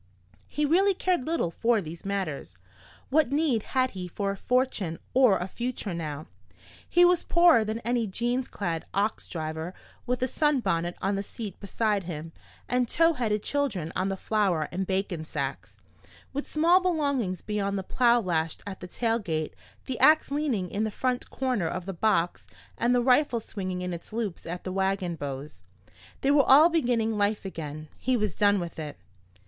He really cared little for these matters. What need had he for a fortune or a future now? He was poorer than any jeans clad ox driver with a sunbonnet on the seat beside him and tow headed children on the flour and bacon sacks, with small belongings beyond the plow lashed at the tail gate, the ax leaning in the front corner of the box and the rifle swinging in its loops at the wagon bows. They were all beginning life again. He was done with it.